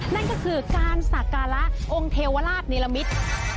นั่นก็คือการสักการะองค์เทวราชนิรมิตร